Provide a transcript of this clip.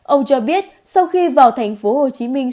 ông cho biết sau khi vào thành phố hồ chí minh